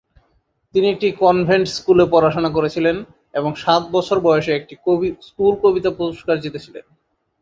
তিনি একটি কনভেন্ট স্কুলে পড়াশোনা করেছিলেন এবং সাত বছর বয়সে একটি "স্কুল কবিতা পুরস্কার" জিতেছিলেন।